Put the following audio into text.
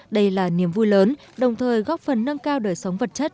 đây là niềm vui lớn đồng thời góp phần nâng cao đời sống vật chất